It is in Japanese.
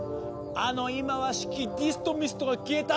あの忌まわしきディストミストが消えた